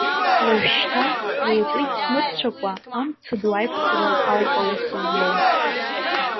Уажәшьҭа, уи акәиц мырцәакәа, амца ду аиқәҵара ауп аус злоу.